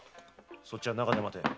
そっちは中で待ってろ。